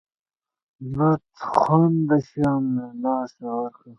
بد خونده شیان له لاسه ورکه.